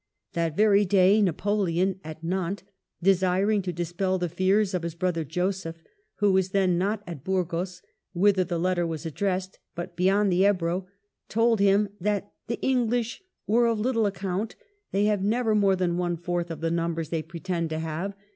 That very day. Napoleon at Nantes, desiring to dispel the fears of his brother Joseph, who was then not at Burgos, whither the letter was addressed, but be yond the Ebro, told him that "the English were of little account ; they have never more than one fourth of the numbers they pretend to have.